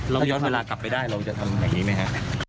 ย้อนเวลากลับไปได้เราจะทำอย่างนี้ไหมฮะ